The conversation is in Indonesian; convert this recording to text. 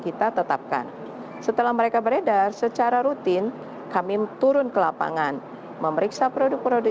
kita tetapkan setelah mereka beredar secara rutin kami turun ke lapangan memeriksa produk produk